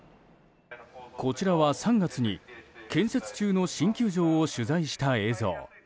こちらは、３月に建設中の新球場を取材した映像。